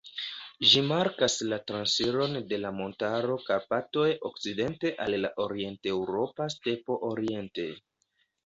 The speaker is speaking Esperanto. Ĝi markas la transiron de la montaro Karpatoj okcidente al la orienteŭropa stepo oriente.